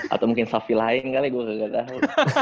atau mungkin savi lain kali gue gak tau